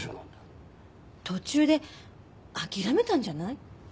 途中で諦めたんじゃない？